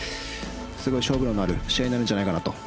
すごい勝負となる試合になるんじゃないかなと。